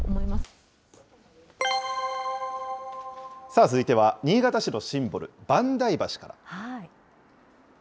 さあ、続いては、新潟市のシンボル、萬代橋から。